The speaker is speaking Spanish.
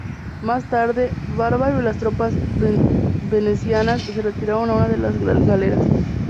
Más tarde, Barbaro y las tropas venecianas se retiraron a una de las galeras.